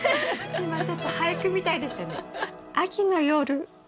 今ちょっと俳句みたいでしたね。